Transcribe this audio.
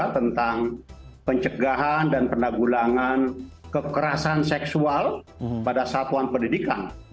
tentang pencegahan dan penanggulangan kekerasan seksual pada satuan pendidikan